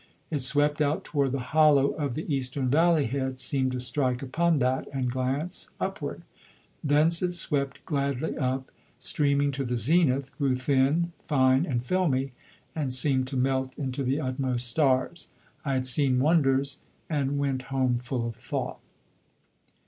It swept out toward the hollow of the eastern valley head, seemed to strike upon that and glance upward; thence it swept gladly up, streaming to the zenith, grew thin, fine and filmy, and seemed to melt into the utmost stars. I had seen wonders and went home full of thought.